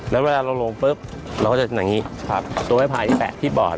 แล้วเวลาเราลงปุ๊บเราก็จะอย่างนี้ครับตัวไม้พายที่แปะที่ปอด